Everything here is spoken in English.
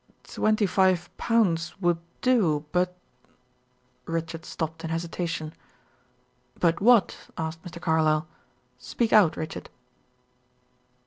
"Twenty five pounds would do, but " Richard stopped in hesitation. "But what?" asked Mr. Carlyle. "Speak out, Richard."